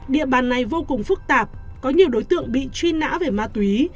địa bàn này vô cùng phức tạp có nhiều đối tượng bị truy nã về ma túy